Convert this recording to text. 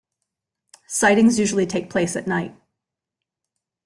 Sightings usually take place at night.